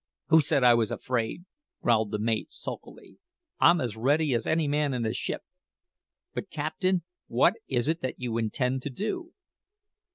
"Who said I was afraid?" growled the mate sulkily. "I'm as ready as any man in the ship. But, captain, what is it that you intend to do?"